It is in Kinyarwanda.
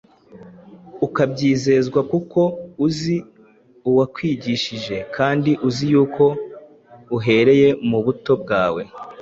ukabyizezwa kuko uzi uwakwigishije, kandi uzi yuko uhereye mu buto bwawe